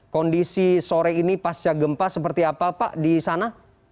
kondisi sore ini pasca gempa seperti apa pak di sana